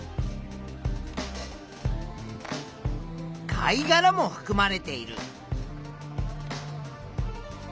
貝がらもふくまれている。